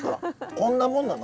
こんなもんなの？